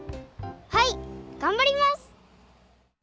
はいがんばります！